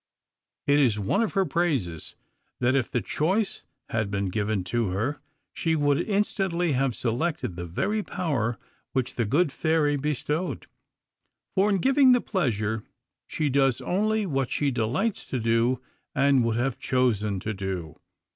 It is one of her praises that if the choice had been given to her she would instantly have selected the very power which the good fairy bestowed. For in giving the pleasure she does only what she delights to do and would have chosen to do.